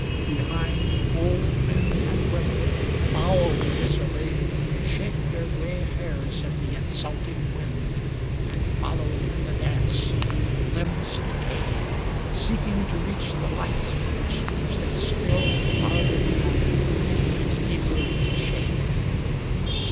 Behind, Old men and women foully disarrayed Shake their gray hairs in the insulting wind And follow in the dance, with limbs de cayed, Seeking to reach the light which leaves them still Farther behind and deeper in the shade.